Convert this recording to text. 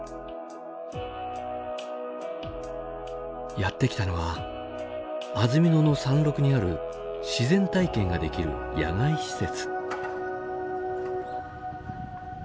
やって来たのは安曇野の山麓にある自然体験ができる野外施設。